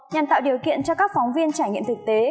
nhằm tạo điều kiện cho các phóng viên trải nghiệm thực tế